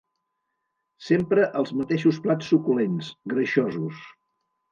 Sempre els mateixos plats suculents, greixosos